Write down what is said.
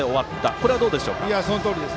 これはどうでしょうか。